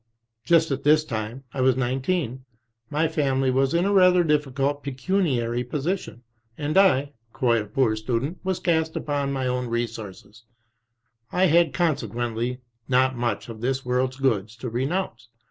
Just at this time — I was nineteen — ^my family was in a rather difficult pecuniary position, and I, quite a poor student, was cast upon my own resources, I had con sequently not much of this world's goods to renounce.